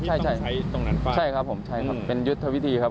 ใช่ครับใช่ครับใช่ครับเป็นยุทธวิธีครับ